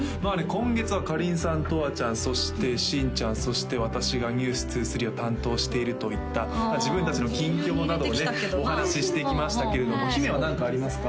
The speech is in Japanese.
今月はかりんさんとわちゃんそして新ちゃんそして私が「ｎｅｗｓ２３」を担当しているといった自分達の近況などをねお話ししてきましたけれども姫は何かありますか？